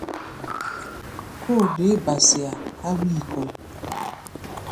Kóo deé ba-sea há̧ wíi kɔ́ʼi.